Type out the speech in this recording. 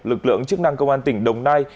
lực lượng chức năng công an tỉnh đồng nai